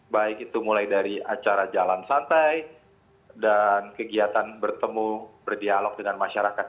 baik itu mulai dari acara jalan santai dan kegiatan bertemu berdialog dengan masyarakat